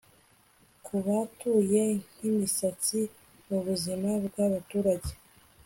Kubatuye nkimisatsi mubuzima bwabaturage